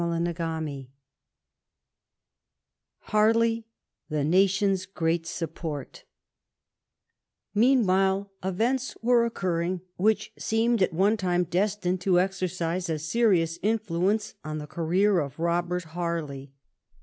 CHAPTER XVn HABLXT^ THS STATION'S GREAT 8UPP0BT Meanwhile events were occurring which seemed at one time destined to exercise a serious influence on the career of Robert Harley.